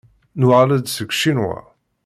Nuɣal-d seg Ccinwa.